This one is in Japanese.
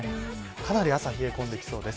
かなり朝冷え込んできそうです。